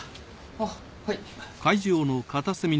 あっはい。